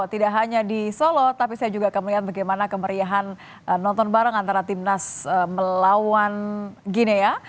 tidak hanya di solo tapi saya juga akan melihat bagaimana kemeriahan nonton bareng antara timnas melawan gini ya